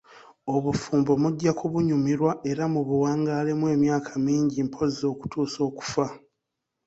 Obufumbo mujja kubunyumirwa era mu buwangaalemu emyaka mingi mpozzi okutuusa okufa.